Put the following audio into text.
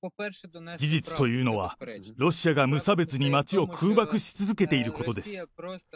事実というのは、ロシアが無差別に街を空爆し続けていることです。